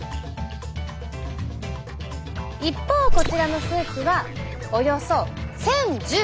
一方こちらの数値はおよそ１，０１０。